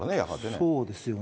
そうですよね。